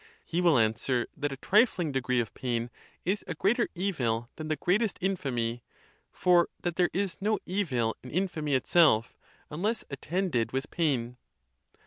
He will answer that a tri fling degree of pain is a greater evil than the greatest in famy; for that there is no evil in infamy itself, unless attended with pain.